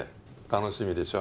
楽しみでしょ？